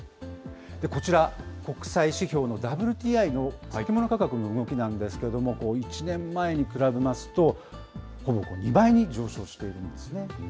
こちら、国際指標のＷＴＩの先物価格の動きなんですけれども、１年前に比べますと、ほぼ２倍に上昇しているんですね。